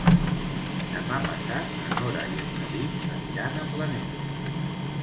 Demà passat na Nora i en David aniran a Planes.